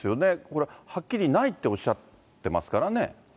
これ、はっきりないっておっしゃってますからね。